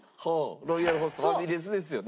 ロイヤルホストファミレスですよね。